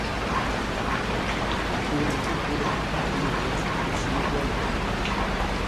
Bikori ɓɛnkɔlɔ i nwaa to suwu gbɔlɔ.